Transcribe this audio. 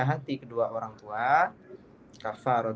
hati kedua orang tua